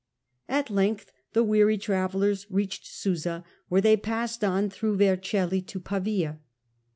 At length the weary travellers reached Susa, whence they passed pn through Vercelli to Pavia.